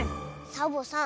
サボさん